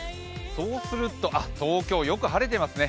そうすると、東京、よく晴れていますね。